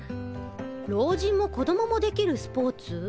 老人も子供もできるスポーツ？